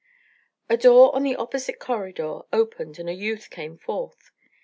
XIV A door on the opposite corridor opened and a youth came forth.